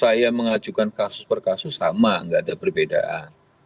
saya mengajukan kasus per kasus sama nggak ada perbedaan